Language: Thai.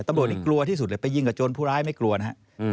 ตำรวจนี่กลัวที่สุดเลยไปยิงกับโจรผู้ร้ายไม่กลัวนะฮะ